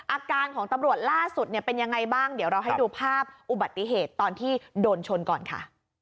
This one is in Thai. อาการของตำรวจล่าสุดเนี่ยเป็นยังไงบ้างเดี๋ยวเราให้ดูภาพอุบัติเหตุตอนที่โดนชนก่อนค่ะ